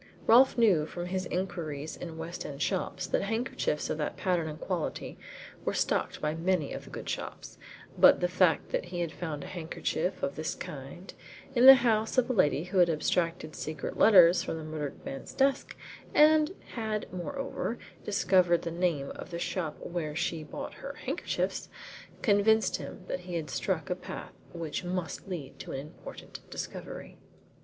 Rolfe knew from his inquiries in West End shops that handkerchiefs of that pattern and quality were stocked by many of the good shops, but the fact that he had found a handkerchief of this kind in the house of a lady who had abstracted secret letters from the murdered man's desk, and had, moreover, discovered the name of the shop where she bought her handkerchiefs, convinced him that he had struck a path which must lead to an important discovery.